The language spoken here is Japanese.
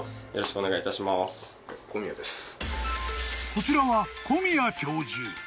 ［こちらは］